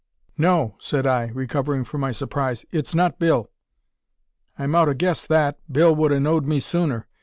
"No," said I, recovering from my surprise; "it's not Bill." "I mout 'a guessed that. Bill wud 'a know'd me sooner.